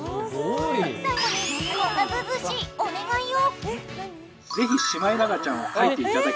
最後に、こんなずうずうしいお願いを。